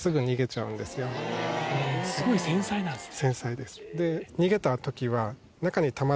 すごい繊細なんですね。